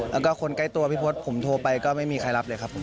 แล้วก็คนใกล้ตัวพี่พศผมโทรไปก็ไม่มีใครรับเลยครับ